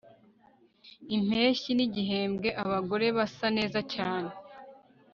Impeshyi nigihembwe abagore basa neza cyane